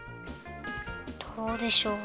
どうでしょう？